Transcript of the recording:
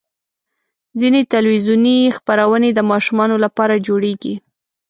ځینې تلویزیوني خپرونې د ماشومانو لپاره جوړېږي.